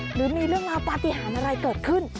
หรือมีเรื่องราวปฏิหารอะไรเกิดขึ้น